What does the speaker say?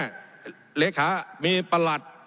มีล้ำตีตั้นเนี่ยมีล้ำตีตั้นเนี่ยมีล้ำตีตั้นเนี่ย